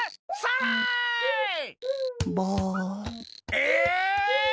え！